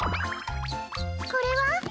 これは？